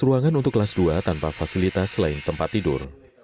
satu ruangan untuk kelas dua tanpa fasilitas selain tempat tidur